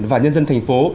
và nhân dân thành phố